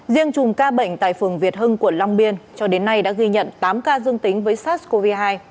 riêng chùm ca bệnh tại phường việt hưng quận long biên cho đến nay đã ghi nhận tám ca dương tính với sars cov hai